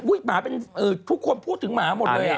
หมาเป็นทุกคนพูดถึงหมาหมดเลย